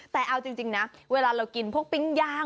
แต่เอาจริงนะเวลาเรากินพวกปิ๊งย่าง